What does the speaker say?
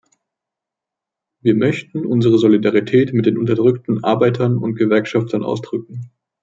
Wir möchten unsere Solidarität mit den unterdrückten Arbeitern und Gewerkschaftern ausdrücken.